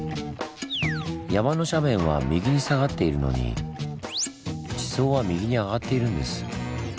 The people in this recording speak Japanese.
山の斜面は右に下がっているのに地層は右に上がっているんです。